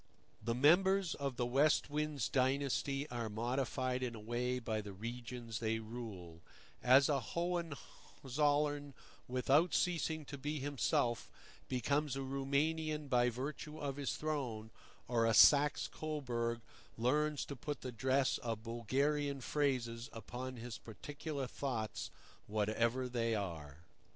The members of the West Wind's dynasty are modified in a way by the regions they rule, as a Hohenzollern, without ceasing to be himself, becomes a Roumanian by virtue of his throne, or a Saxe Coburg learns to put the dress of Bulgarian phrases upon his particular thoughts, whatever they are.